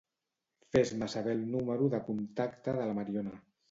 Fes-me saber el número de contacte de la Mariona.